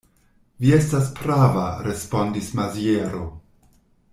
Vi estas prava, respondis Maziero.